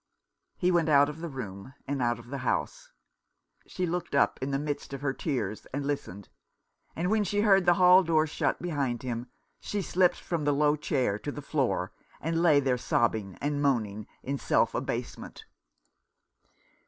He went out of the room, and out of the house. She looked up in the midst of her tears, and listened, and when she heard the hall door shut behind him she slipped from the low chair to the 162 A Death blow. floor, and lay there sobbing and moaning in self abasement.